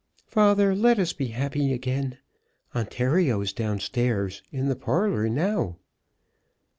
"Father, let us be happy again. Ontario is down stairs, in the parlour now."